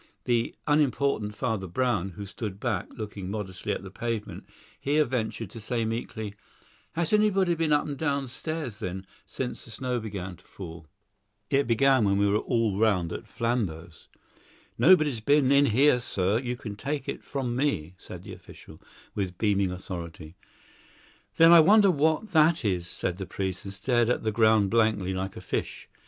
The unimportant Father Brown, who stood back, looking modestly at the pavement, here ventured to say meekly, "Has nobody been up and down stairs, then, since the snow began to fall? It began while we were all round at Flambeau's." "Nobody's been in here, sir, you can take it from me," said the official, with beaming authority. "Then I wonder what that is?" said the priest, and stared at the ground blankly like a fish.